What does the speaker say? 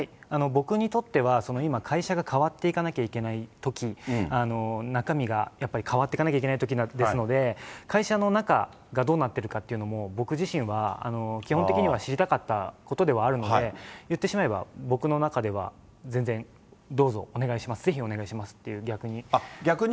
僕にとっては、今、会社が変わっていかなきゃいけないとき、中身がやっぱり変わっていかなきゃいけないときですので、会社の中がどうなっているかっていうのも、僕自身は基本的には知りたかったことではあるので、言ってしまえば、僕の中では、全然、どうぞ、お願いします、ぜひお願いしますって、逆に。